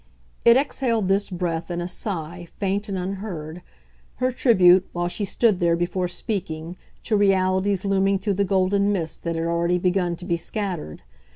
It exhaled this breath in a sigh, faint and unheard; her tribute, while she stood there before speaking, to realities looming through the golden mist that had already begun to be scattered.